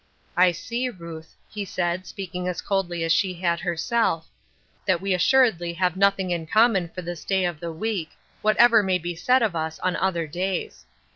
" I see, Ruth," he said, speaking as coldly as she had herself, " that we assuredly have nothing in common for this day of the week, whatever may be said of us on other days.